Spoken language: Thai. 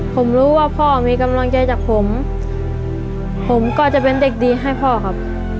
ผมรู้ว่าพ่อมีกำลังใจจากผมผมก็จะเป็นเด็กดีให้พ่อครับ